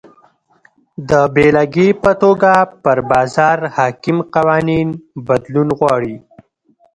د بېلګې په توګه پر بازار حاکم قوانین بدلون غواړي.